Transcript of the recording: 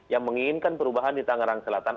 yang menginginkan perubahan di tangerang selatan